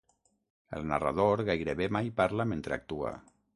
El narrador gairebé mai parla mentre actua.